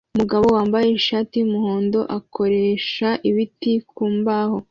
Umugabo wambaye ishati yumuhondo akoresha ibiti ku mbaho